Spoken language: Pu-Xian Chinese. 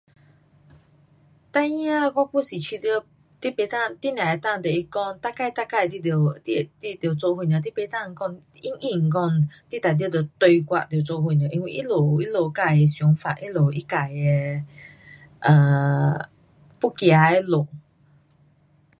孩儿我还是觉得你不能，你尔能够跟他讲大概大概你得，你会，你得做什么，你不能讲硬硬讲你一定得跟我，得做什么。因为他们有他们自的想法，他们有自的，呃，要走的路。